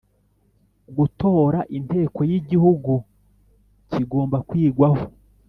gutora Inteko y Igihugu kigomba kwigwaho